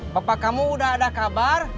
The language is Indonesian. bapak kamu udah ada kabar